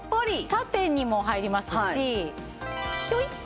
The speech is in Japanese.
縦にも入りますしひょいっ。